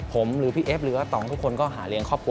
ผมพี่เอฟหรือตองทุกคน